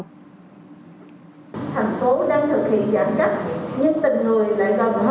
thành phố đang thực hiện giãn cách nhưng tình người lại gần hơn bao giờ hết